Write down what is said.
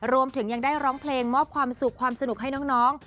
รวมถึงยังได้ร้องเพลงมอบความสุขความสนุกให้น้อง